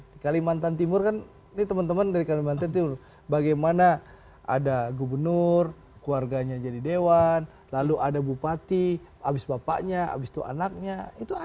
di kalimantan timur kan ini teman teman dari kalimantan timur bagaimana ada gubernur keluarganya jadi dewan lalu ada bupati habis bapaknya habis itu anaknya